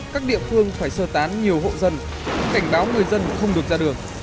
các địa phương phải sơ tán nhiều hộ dân cảnh báo người dân không được ra đường